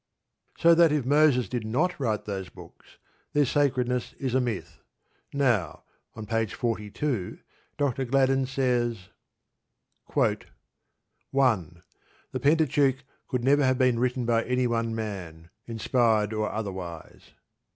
So that if Moses did not write those books, their sacredness is a myth. Now, on page 42, Dr. Gladden says: 1. The Pentateuch could never have been written by any one man, inspired or otherwise.